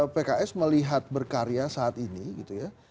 pks melihat berkarya saat ini gitu ya